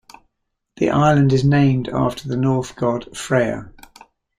The island is named after the Norse god Freyr.